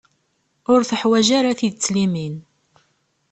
Ur teḥwaǧ ara tidet limin.